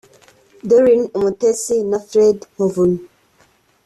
Doreen Umutesi na Fred Muvunyi